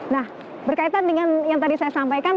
nah berkaitan dengan yang tadi saya sampaikan